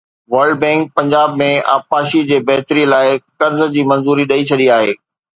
world Bank Punjab ۾ آبپاشي جي بهتري لاءِ قرض جي منظوري ڏئي ڇڏي آهي